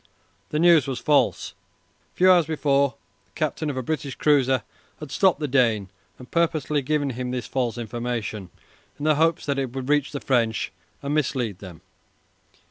The news was false. A few hours before the captain of a British cruiser had stopped the Dane and purposely given him this false information, in the hope that it would reach the French and mislead them.